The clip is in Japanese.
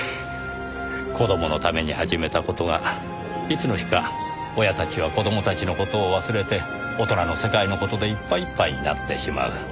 子供のために始めた事がいつの日か親たちは子供たちの事を忘れて大人の世界の事でいっぱいいっぱいになってしまう。